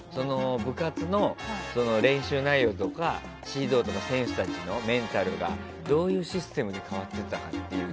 部活の練習内容とか指導とか、選手たちのメンタルが、どういうシステムに変わっていったかという。